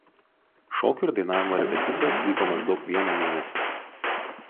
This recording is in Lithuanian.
Šokių ir dainavimo repeticijos vyko maždaug vieną mėnesį.